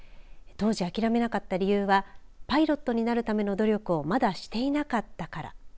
当時、諦めなかった理由はパイロットになるための努力をまだしていなかったから。